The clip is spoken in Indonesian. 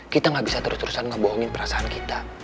kita gak bisa terus terusan ngebohongin perasaan kita